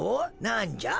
なんじゃ？